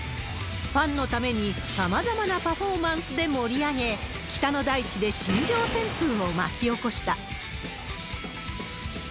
ファンのためにさまざまなパフォーマンスで盛り上げ、北の大地で新庄旋風を巻き起こした。